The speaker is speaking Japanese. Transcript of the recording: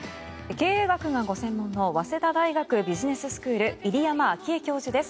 経営学がご専門の早稲田大学ビジネススクール入山章栄教授です。